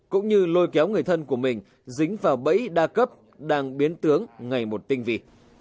cũng như lôi kéo người thân của mình dính vào bẫy đa cấp đang biến tướng ngày một tinh vị